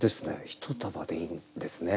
「一束」でいいんですね。